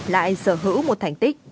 lại sở hữu một thành tích